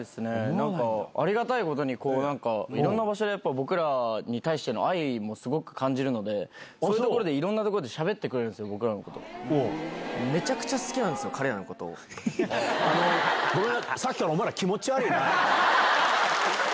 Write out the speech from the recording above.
なんか、ありがたいことに、いろんな場所で僕らに対しての愛もすごく感じるので、そういうところでいろんなところでしゃべってくれるんですよ、めちゃくちゃ好きなんですよ、ごめん、さっきからお前ら、もうね。